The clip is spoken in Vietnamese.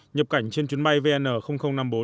nhập cảnh trên chuyến bay vn năm mươi bốn